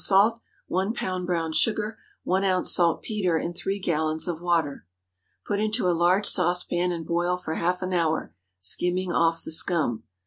salt. 1 lb. brown sugar. 1 oz. saltpetre in 3 gallons of water. Put into a large saucepan and boil for half an hour, skimming off the scum.